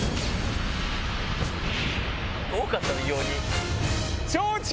多かったの異様に。